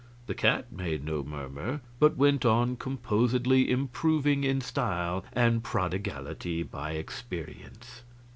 The cat made no murmur, but went on composedly improving in style and prodigality by experience.